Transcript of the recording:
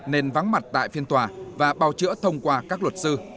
nên vắng mặt tại phiên tòa và bào chữa thông qua các luật sư